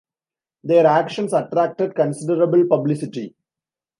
Their actions attracted considerable publicity.